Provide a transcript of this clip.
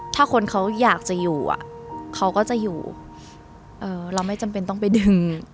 ถ้าคนเขาอยากจะอยู่อ่ะเขาก็จะอยู่เออเราไม่จำเป็นต้องไปดึง